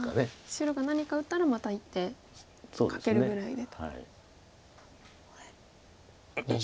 白が何か打ったらまた１手かけるぐらいでと。